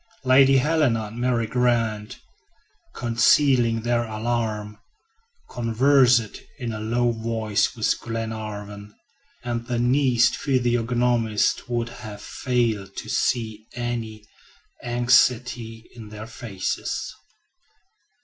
Lady Helena and Mary Grant, concealing their alarm, conversed in a low voice with Glenarvan, and the keenest physiognomists would have failed to see any anxiety in their faces.